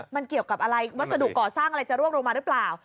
มันเกี่ยวกับอะไรวัสดุก่อสร้างอะไรจะร่วงลงมาหรือเปล่า